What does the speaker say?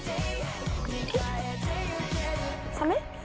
サメ？